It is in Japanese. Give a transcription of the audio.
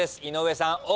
井上さん